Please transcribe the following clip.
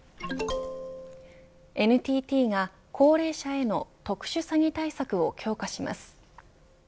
ＮＴＴが高齢者への特殊詐欺対策を強化します。